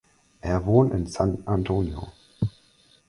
Er wohnt in San Antonio.